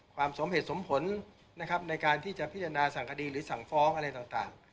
สมเหตุสมผลนะครับในการที่จะพิจารณาสั่งคดีหรือสั่งฟ้องอะไรต่าง